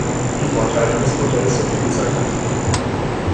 Die Vorteile des Modells sind vielseitig.